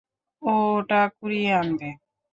ও ওটা কুড়িয়ে আনবে।